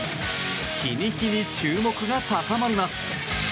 日に日に注目が高まります。